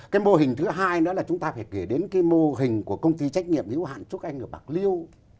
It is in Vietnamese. cái mô hình thứ hai nữa là chúng ta phải kể đến cái mô hình của công ty trách nhiệm hữu hạn trúc anh ở bạc liêu